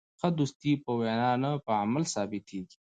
ښه دوستي په وینا نه، په عمل ثابتېږي.